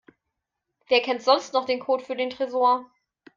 Wer kennt sonst noch den Code für den Tresor?